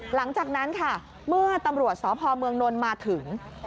หลังจากนั้นค่ะเมื่อตำรวจสพเมืองนนท์มาถึง